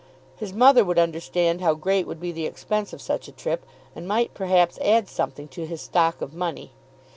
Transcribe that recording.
His mother would understand how great would be the expense of such a trip, and might perhaps add something to his stock of money.